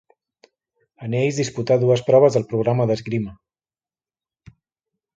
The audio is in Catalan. En ells disputà dues proves del programa d'esgrima.